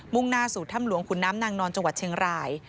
่งหน้าสู่ถ้ำหลวงขุนน้ำนางนอนจังหวัดเชียงราย